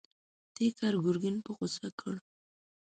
دې کار ګرګين په غوسه کړ.